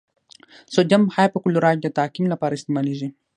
سوډیم هایپوکلورایټ د تعقیم لپاره استعمالیږي.